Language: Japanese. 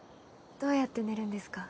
どうやって寝るんですか？